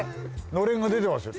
のれんが出てますよ。